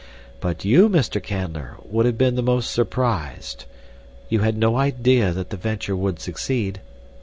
"But you, Mr. Canler, would have been the most surprised. You had no idea that the venture would succeed.